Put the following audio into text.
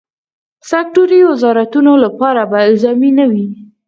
سکټوري وزارتونو لپاره به الزامي نه وي.